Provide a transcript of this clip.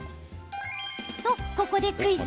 と、ここでクイズ。